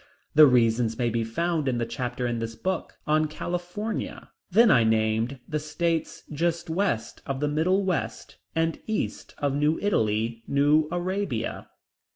The reasons may be found in the chapter in this book on California. Then I named the states just west of the Middle West, and east of New Italy, New Arabia.